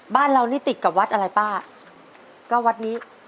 บ้านเรานี่ติดกับวัดอะไรป้าก็วัดนี้